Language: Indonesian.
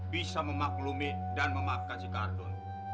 bisa memaklumi dan memaafkan si kardun